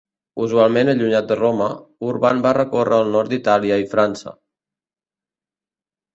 Usualment allunyat de Roma, Urban va recórrer el nord d'Itàlia i França.